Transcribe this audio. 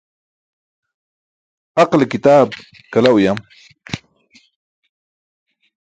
Aqale kitaap kala uyam.